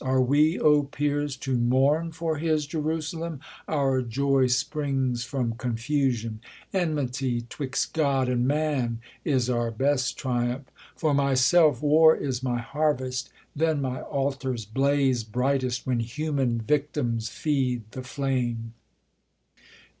Are wc, O peers, To mourn for his Jerusalem ? Our joy Springs from confusion : enmity 'twixt God And man is our best triumph. For myself, War is my harvest : then my altars blaze Brightest, when human victims feed the flame.